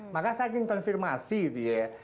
maka saking konfirmasi gitu ya